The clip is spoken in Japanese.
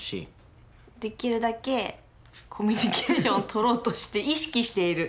できるだけコミュニケーションをとろうとして意識している。